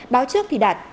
báo trước thì đạt